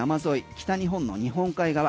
北日本の日本海側。